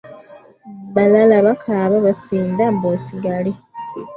Balala bakaaba basinda mbu osigale.